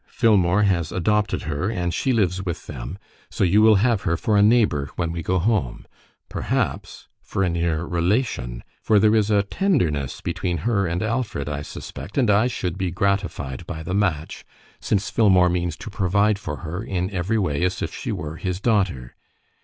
Filmore has adopted her, and she lives with them, so you will have her for a neighbour when we go home perhaps for a near relation; for there is a tenderness between her and Alfred, I suspect, and I should be gratified by the match, since Filmore means to provide for her in every way as if she were his daughter.